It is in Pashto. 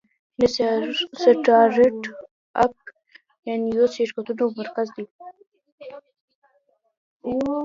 هند د سټارټ اپ یا نویو شرکتونو مرکز دی.